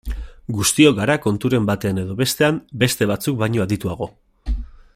Guztiok gara konturen batean edo bestean beste batzuk baino adituago.